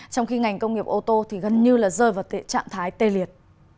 trong khi ngành công nghiệp ô tô gần như rơi vào trạng thái tê liệt